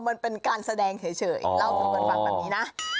มันเป็นการแสดงเฉยเล่าสู่กันฟังแบบนี้นะ